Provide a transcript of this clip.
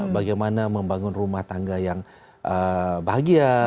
bagaimana membangun rumah tangga yang bahagia